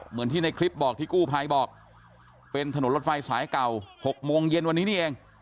เหมือนที่ในคลิปบอกที่กู้ภัยบอกเป็นถนนรถไฟสายเก่า๖โมงเย็นวันนี้นี่เอง